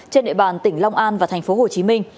trên địa bàn tỉnh long an và tp hcm